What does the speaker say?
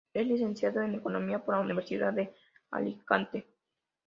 Es licenciado en Economía por la Universidad de Alicante.